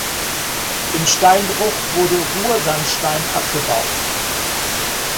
Im Steinbruch wurde Ruhrsandstein abgebaut.